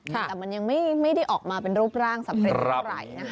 แต่มันยังไม่ได้ออกมาเป็นรูปร่างสำเร็จเท่าไหร่นะคะ